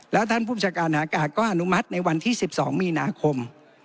แล้วท่านผู้ประชาการหากาศก็อนุมัติในวันที่๑๒มีนาคม